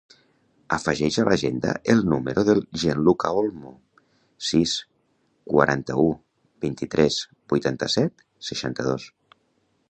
Afegeix a l'agenda el número del Gianluca Olmo: sis, quaranta-u, vint-i-tres, vuitanta-set, seixanta-dos.